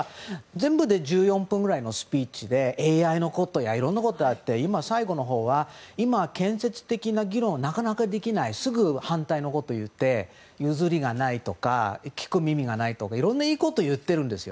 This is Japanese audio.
全部で１４分ぐらいのスピーチでＡＩのことやいろんなことあって最後のほうは今は建設的な議論はなかなかできないすぐ反対のことを言って譲りがないとか聞く耳がないとかいろんなこと言ってるんです。